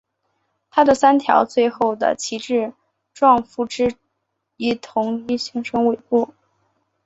它的三条最后的旗帜状附肢一同形成尾部。